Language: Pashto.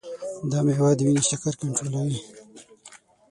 دا مېوه د وینې شکر کنټرولوي.